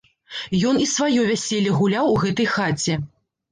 Ён і сваё вяселле гуляў у гэтай хаце.